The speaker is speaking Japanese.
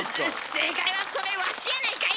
正解は「それ、わしやないかい！」でした。